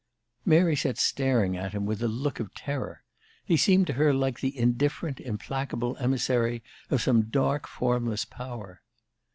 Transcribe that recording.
Mary sat staring at him with a look of terror. He seemed to her like the indifferent, implacable emissary of some dark, formless power.